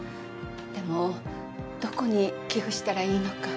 でもどこに寄付したらいいのか。